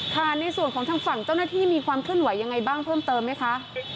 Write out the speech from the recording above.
ในส่วนของทางฝั่งเจ้าหน้าที่มีความเคลื่อนไหวยังไงบ้างเพิ่มเติมไหมคะ